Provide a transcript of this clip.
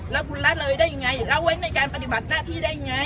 แล้วคุณละเลยได้ยังไงแล้วไว้ในการปฏิบัติหน้าที่ได้ไง